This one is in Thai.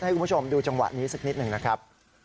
ให้คุณผู้ชมดูจังหวะนี้สักนิดหนึ่งนะครับ